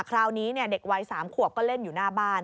คราวนี้เด็กวัย๓ขวบก็เล่นอยู่หน้าบ้าน